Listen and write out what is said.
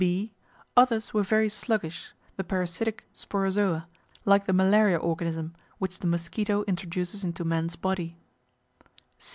(b) Others were very sluggish, the parasitic Sporozoa, like the malaria organism which the mosquito introduces into man's body.